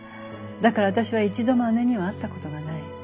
だから私は一度も姉には会ったことがない。